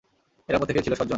এরা প্রত্যেকেই ছিল সজ্জন।